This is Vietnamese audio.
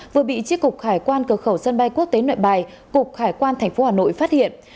vừa bị chiếc cục hải quan cửa khẩu sân bay quốc tế nội bài cục hải quan thành phố hà nội phát hiện